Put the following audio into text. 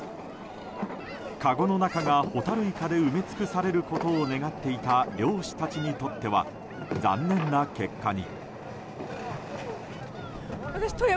かごの中がホタルイカで埋め尽くされることを願っていた漁師たちにとっては残念な結果に。